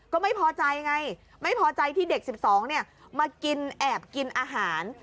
ก็ไม่พอใจไงไม่พอใจที่เด็ก๑๒มากินแอบกินอาหาร